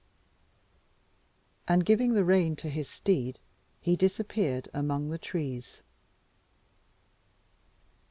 And giving the rein to his steed, he disappeared among the trees.